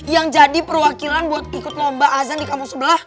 yang jadi perwakilan buat ikut lomba azan di kampung sebelah